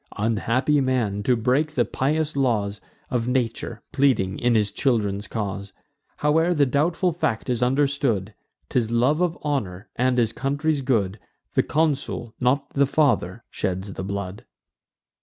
Unhappy man, to break the pious laws Of nature, pleading in his children's cause! Howe'er the doubtful fact is understood, 'Tis love of honour, and his country's good: The consul, not the father, sheds the blood.